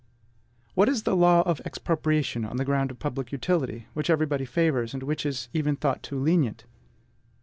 What is the law of expropriation on the ground of public utility, which everybody favors, and which is even thought too lenient?